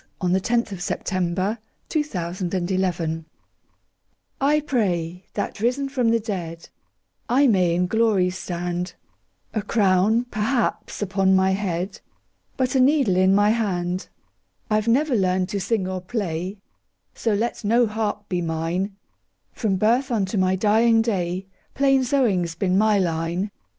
Eugene Field 1850–1895 Eugene Field 230 Grandma's Prayer I PRAY that, risen from the dead,I may in glory stand—A crown, perhaps, upon my head, But a needle in my hand.I 've never learned to sing or play, So let no harp be mine; From birth unto my dying day, Plain sewing 's been my line.